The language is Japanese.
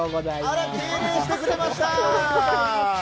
あら、敬礼してくれました！